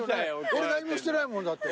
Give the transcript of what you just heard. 俺何もしてないもんだって。